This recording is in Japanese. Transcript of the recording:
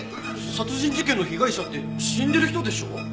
殺人事件の被害者って死んでる人でしょ？